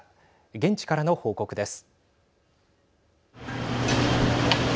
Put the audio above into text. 現地からの報告です。